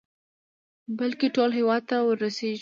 بلكې ټول هېواد ته ورسېږي.